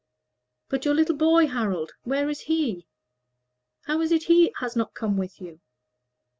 "But your little boy, Harold where is he? How is it he has not come with you?"